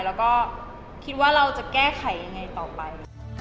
แล้วก็คิดว่าเราจะแก้ไขยังไงต่อไป